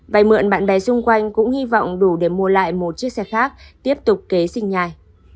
vậy mượn bạn bè xung quanh cũng hy vọng đủ để mua lại một chiếc xe khác tiếp tục kế sinh nhai